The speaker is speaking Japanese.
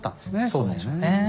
そうでしょうね。